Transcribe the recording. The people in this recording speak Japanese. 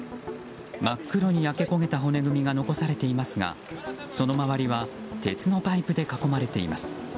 真っ黒に焼け焦げた骨組みが残されていますがその周りは鉄のパイプで囲まれています。